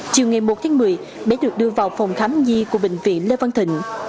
chiều ngày một tháng một mươi bé được đưa vào phòng khám nhi của bệnh viện lê văn thịnh